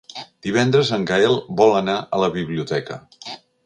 Divendres en Gaël vol anar a la biblioteca.